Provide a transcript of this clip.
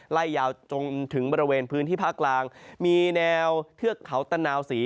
ไล่ยาวจนถึงบริเวณพื้นที่ภาคกลางมีแนวเทือกเขาตะนาวศรี